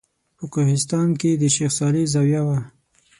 په کوهستان کې د شیخ صالح زاویه وه.